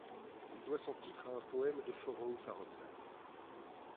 Il doit son titre à un poème de Forough Farrokhzad.